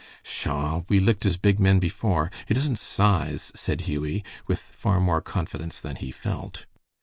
"Pshaw! we licked as big men before. It isn't size," said Hughie, with far more confidence than he felt.